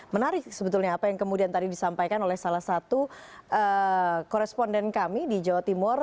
menarik sebetulnya apa yang kemudian tadi disampaikan oleh salah satu koresponden kami di jawa timur